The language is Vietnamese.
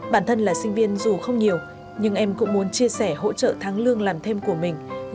bản thân là sinh viên dù không nhiều nhưng em cũng muốn chia sẻ hỗ trợ tháng lương làm thêm của mình